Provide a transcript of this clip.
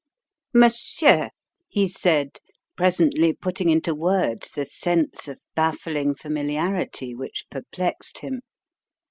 "Monsieur," he said, presently putting into words the sense of baffling familiarity which perplexed him.